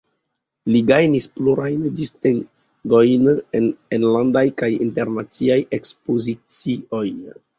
Li gajnis plurajn distingojn en enlandaj kaj internaciaj ekspozicioj.